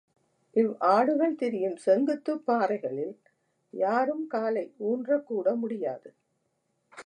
இவ்வாடுகள் திரியும் செங்குத்துப் பாறைகளில் யாரும் காலை ஊன்றக்கூட முடியாது.